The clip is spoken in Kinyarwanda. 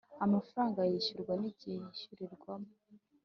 amafaranga yishyurwa n igihe yishyurirwamo